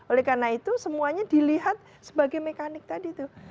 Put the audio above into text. oleh karena itu semuanya dilihat sebagai mekanik tadi tuh